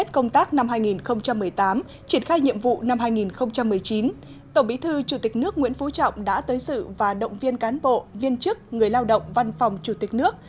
tổng bí thư chủ tịch nước nguyễn phú trọng đã tới sự và động viên cán bộ viên chức người lao động văn phòng chủ tịch nước